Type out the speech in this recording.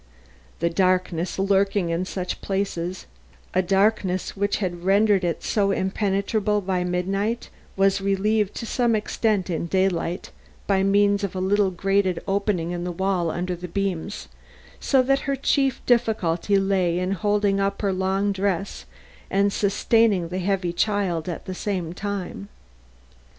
The darkness lurking in such places, a darkness which had rendered it so impenetrable at midnight, was relieved to some extent in daylight by means of little grated openings in the wall under the beams, so that her chief difficulty lay in holding up her long dress and sustaining the heavy child at the same time.